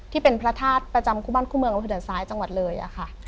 ที่เป็นพระธาตุประจำคู่บ้านคู่เมืองอำเภอด่านซ้ายจังหวัดเลยค่ะ